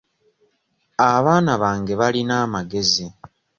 Abaana bange balina amagezi.